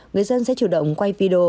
người dân sẽ chủ động quay video